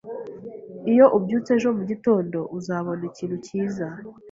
Iyo ubyutse ejo mugitondo, uzabona ikintu cyiza.